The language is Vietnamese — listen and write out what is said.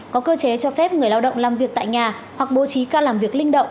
có cơ chế cho phép người lao động làm việc tại nhà hoặc bố trí ca làm việc linh động